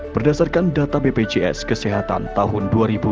berdasarkan data bpjs kesehatan tahun dua ribu dua puluh